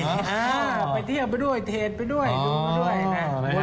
ไปเยี่ยมไปด้วยเทดไปด้วยดูไปด้วยนะ